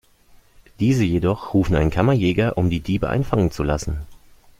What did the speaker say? Diese jedoch rufen einen Kammerjäger, um die Diebe einfangen zu lassen.